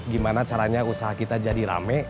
gimana caranya usaha kita jadi rame